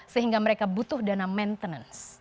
sehingga mereka butuh dana maintenance